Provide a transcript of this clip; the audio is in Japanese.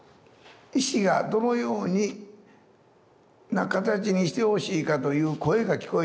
「石がどのような形にしてほしいか」という声が聞こえてくるって。